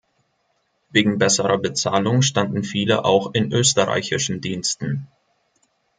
Wegen besserer Bezahlung standen viele auch in österreichischen Diensten.